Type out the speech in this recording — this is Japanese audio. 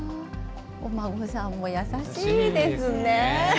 お孫さんも優しいですね。